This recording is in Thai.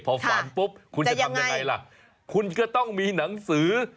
พอฝันปุ๊บคุณจะทำยังไงล่ะคุณก็ต้องมีหนังสือ